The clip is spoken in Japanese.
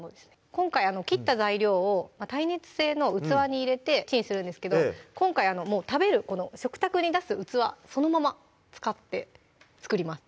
今回切った材料を耐熱性の器に入れてチンするんですけど今回もう食べる食卓に出す器そのまま使って作ります